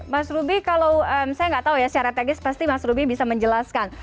mas ruby kalau saya nggak tahu ya secara teknis pasti mas ruby bisa menjelaskan